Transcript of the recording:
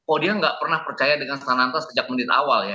oh dia nggak pernah percaya dengan sananta sejak menit awal ya